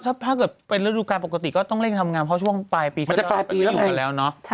ถ้าเกิดเป็นฤดูการปกติก็ต้องเร่งทำงานเพราะช่วงปลายปีเขาไม่อยู่หมดแล้ว